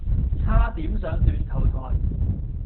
差點上斷頭臺